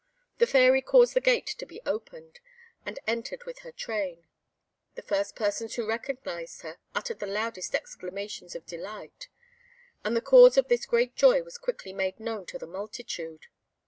The Fairy caused the gate to be opened, and entered with her train. The first persons who recognised her, uttered the loudest exclamations of delight, and the cause of this great joy was quickly made known to the multitude.